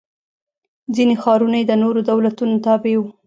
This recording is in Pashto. ځیني ښارونه یې د نورو دولتونو تابع و.